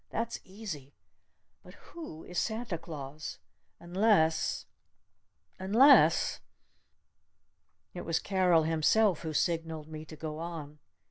That's easy! But who is Santa Claus? Unless unless ?" It was Carol himself who signaled me to go on.